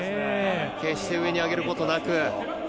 決して上に上げることなく。